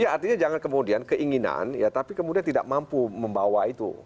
ya artinya jangan kemudian keinginan ya tapi kemudian tidak mampu membawa itu